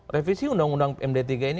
revisi undang undang md tiga ini